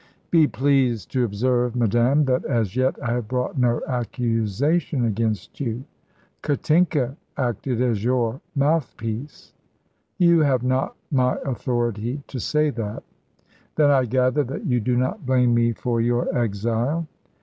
"Be pleased to observe, madame, that as yet I have brought no accusation against you." "Katinka acted as your mouthpiece." "You have not my authority to say that." "Then I gather that you do not blame me for your exile?"